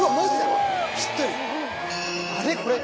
あれ？